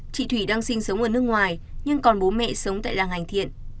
chị thủy đang sinh sống ở nước ngoài nhưng còn bố mẹ sống tại làng anh thiện